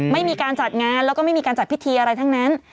ไม่มีการจัดงานแล้วก็ไม่มีการจัดพิธีอะไรทั้งนั้น